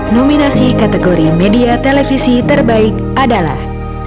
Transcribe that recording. nominasi kategori media televisi terbaik adalah